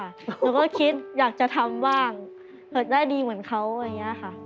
เราก็คิดอยากจะทำบ้างเกิดได้ดีเหมือนเขาอะไรอย่างนี้ค่ะ